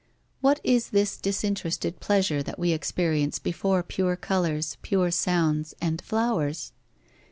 What is this disinterested pleasure that we experience before pure colours, pure sounds, and flowers?